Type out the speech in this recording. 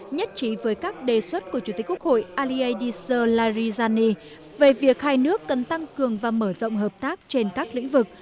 nhất trí với các đề xuất của chủ tịch quốc hội alie disur larijani về việc hai nước cần tăng cường và mở rộng hợp tác trên các lĩnh vực